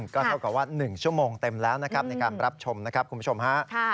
ก็เท่ากับว่า๑ชั่วโมงเต็มแล้วนะครับในการรับชมนะครับคุณผู้ชมฮะ